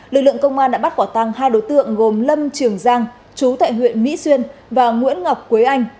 lực lượng công an đã bắt quả tăng hai đối tượng gồm lâm trường giang chú tại huyện mỹ xuyên và nguyễn ngọc quế anh